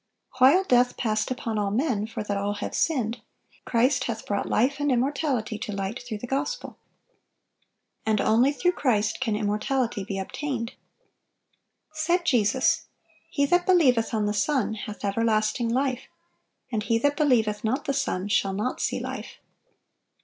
While "death passed upon all men, for that all have sinned," Christ "hath brought life and immortality to light through the gospel."(933) And only through Christ can immortality be obtained. Said Jesus, "He that believeth on the Son hath everlasting life: and he that believeth not the Son shall not see life."